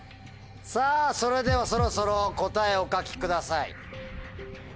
さぁそれではそろそろ答えをお書きください。